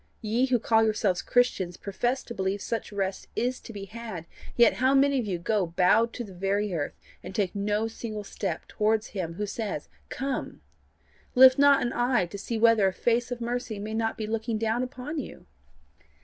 Ye who call yourselves Christians profess to believe such rest is to be had, yet how many of you go bowed to the very earth, and take no single step towards him who says Come, lift not an eye to see whether a face of mercy may not be looking down upon you!